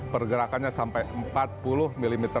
pergerakannya sampai empat meter